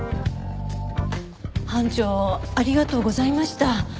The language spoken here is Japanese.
班長ありがとうございました。